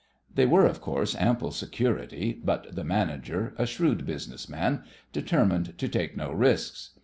They were, of course, ample security, but the manager, a shrewd business man, determined to take no risks.